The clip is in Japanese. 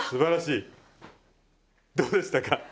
どうでしたか？